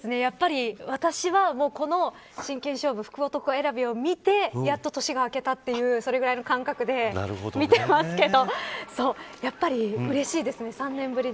私は、この真剣勝負福男選びを見てやっと年が明けたというそのぐらいの感覚で見てますけどやっぱりうれしいですね３年ぶりで。